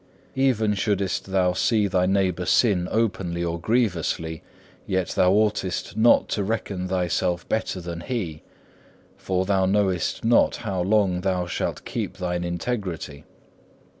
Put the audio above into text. Even shouldest thou see thy neighbor sin openly or grievously, yet thou oughtest not to reckon thyself better than he, for thou knowest not how long thou shalt keep thine integrity.